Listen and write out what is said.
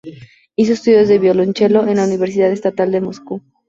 Hizo estudios de violonchelo en la Universidad Estatal de Moscú.